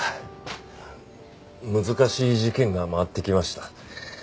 難しい事件が回ってきました。